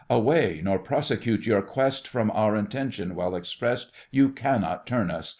Away, nor prosecute your quest— From our intention, well expressed, You cannot turn us!